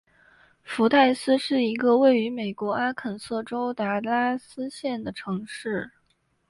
福代斯是一个位于美国阿肯色州达拉斯县的城市。